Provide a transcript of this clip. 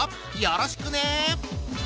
よろしくね！